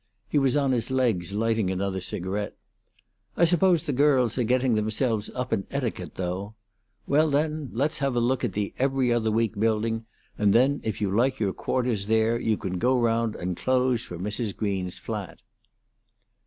He was on his legs lighting another cigarette. "I suppose the girls are getting themselves up in etiquette, though. Well, then, let's have a look at the 'Every Other Week' building, and then, if you like your quarters there, you can go round and close for Mrs. Green's flat."